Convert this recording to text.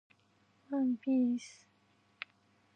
ワンピース